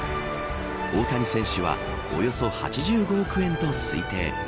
大谷選手はおよそ８５億円と推定。